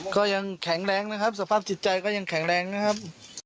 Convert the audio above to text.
ก็ยังแข็งแรงนะครับสภาพจิตใจก็ยังแข็งแรงนะครับ